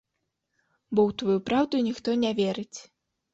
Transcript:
Бо ў тваю праўду ніхто не верыць.